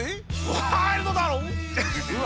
ワイルドだろぉ。